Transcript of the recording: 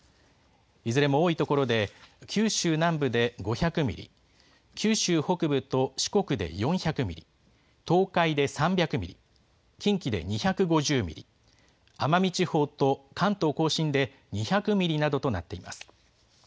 いずれも多い所で、九州南部で５００ミリ、九州北部と四国で４００ミリ、東海で３００ミリ、近畿で２５０ミリ、奄美地方と関東甲信で２００ミリなどとなっています。